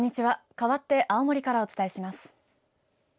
かわって青森からお伝えします。